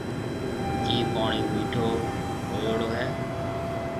ڪيَ پوڻِي مِٺو هويوڙو هيَ۔